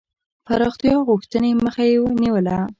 پراختیا غوښتني مخه یې نیوله.